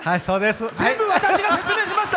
全部私が説明しました！